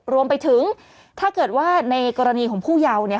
รวมไปถึงถ้าเกิดว่าในกรณีของผู้เยาว์เนี่ย